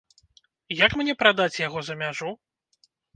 Як мне прадаць яго за мяжу?